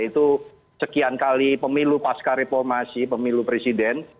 itu sekian kali pemilu pasca reformasi pemilu presiden